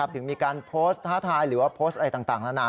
ถึงมีการโพสต์ท้าทายหรือว่าโพสต์อะไรต่างนานา